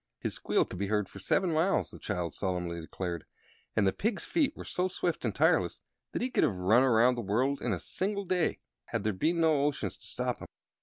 His squeal could be heard for seven miles, the child solemnly declared, and the pig's feet were so swift and tireless that he could have run around the world in a single day had there been no oceans to stop him.